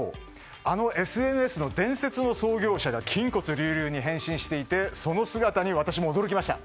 あのＳＮＳの伝説の創業者が筋骨隆々に変身していてその姿に私も驚きました。